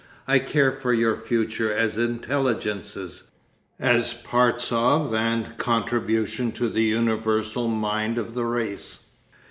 I care for your future as intelligences, as parts of and contribution to the universal mind of the race.